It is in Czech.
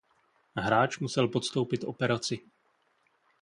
Hráč musel podstoupit operaci.